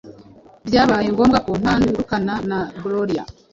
Byabaye ngombwa ko ntandukana na Gloria